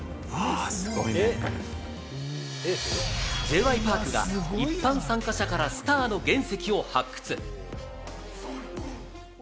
Ｊ．Ｙ．Ｐａｒｋが一般参加者からスターの原石を発掘。